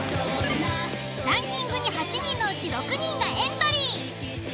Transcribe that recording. ランキングに８人のうち６人がエントリー。